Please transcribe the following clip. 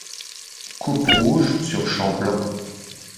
Coupe rouge sur champ blanc.